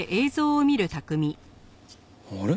あれ？